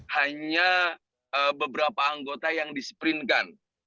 hanya beberapa anggota yang disprinkan